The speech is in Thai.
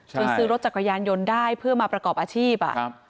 ซื้อรถจักรยานยนต์ได้เพื่อมาประกอบอาชีพ